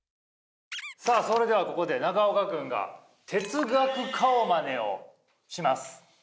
さあそれではここで中岡くんが哲学顔マネをします。